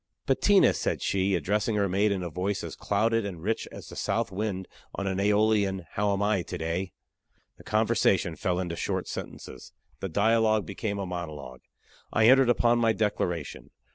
"Bettina," said she, addressing her maid in a voice as clouded and rich as the south wind on an Æolian, "how am I to day?" The conversation fell into short sentences. The dialogue became a monologue. I entered upon my declaration.